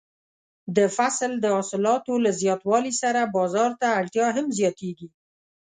د فصل د حاصلاتو له زیاتوالي سره بازار ته اړتیا هم زیاتیږي.